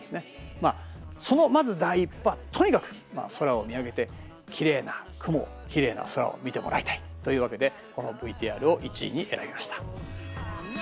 まあそのまず第一歩はとにかく空を見上げてきれいな雲をきれいな空を見てもらいたい。というわけでこのＶＴＲを１位に選びました。